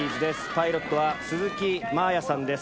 パイロットは鈴木希彩さんです。